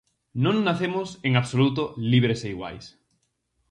Non nacemos en absoluto libres e iguais.